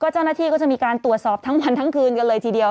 เจ้าหน้าที่ก็จะมีการตรวจสอบทั้งวันทั้งคืนกันเลยทีเดียว